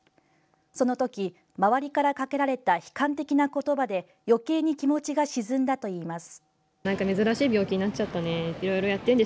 その時、周りからかけられた悲観的な言葉で余計に気持ちが沈んだといいます。